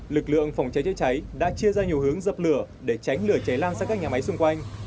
lực lượng phòng cháy chữa cháy đã chia ra nhiều hướng dập lửa để tránh lửa cháy lan sang các nhà máy xung quanh